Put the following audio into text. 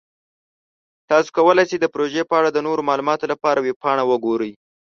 تاسو کولی شئ د پروژې په اړه د نورو معلوماتو لپاره ویب پاڼه وګورئ.